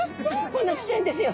こんなちっちゃいんですよ。